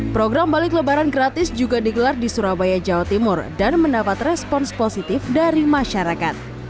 program balik lebaran gratis juga digelar di surabaya jawa timur dan mendapat respons positif dari masyarakat